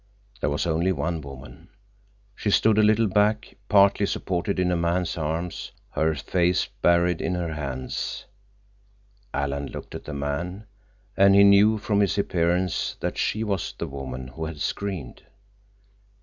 There was only one woman. She stood a little back, partly supported in a man's arms, her face buried in her hands. Alan looked at the man, and he knew from his appearance that she was the woman who had screamed.